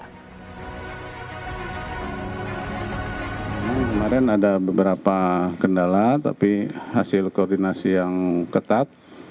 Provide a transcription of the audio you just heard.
kemarin ada beberapa kendala tapi hasil koordinasi yang ketat